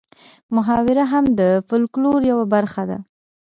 محاوره هم د فولکلور یوه برخه ده